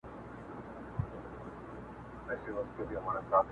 چي در رسېږم نه، نو څه وکړم ه ياره.